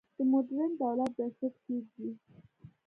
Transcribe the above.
د موډرن دولت بنسټ کېږدي.